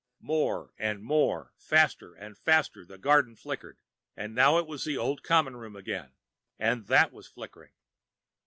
_ More and more, faster and faster, the garden flickered, and now it was the old common room again, and that was flickering.